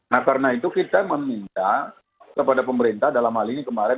nah karena itu kita meminta kepada pemerintah dalam hal ini kemarin